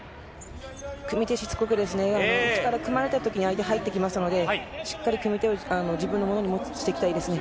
組手しつこくですね、内から組まれたときに、相手入ってきますので、しっかり組手を自分のものにしていきたいですね。